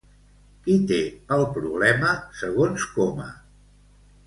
Qui té el problema segons Coma?